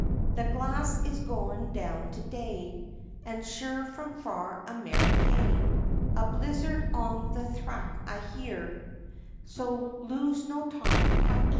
The glass is goin' down to day An' sure from far Americay, A blizzard's on the thrack I hear, so lose no time, come in!"